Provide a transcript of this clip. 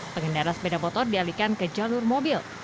pengendara sepeda motor dialihkan ke jalur mobil